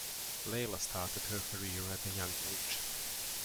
Laila started her career at a young age.